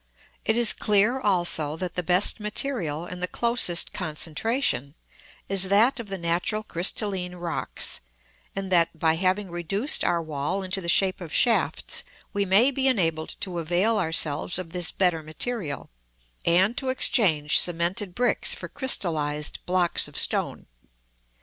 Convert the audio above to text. It is clear also that the best material, and the closest concentration, is that of the natural crystalline rocks; and that, by having reduced our wall into the shape of shafts, we may be enabled to avail ourselves of this better material, and to exchange cemented bricks for crystallised blocks of stone.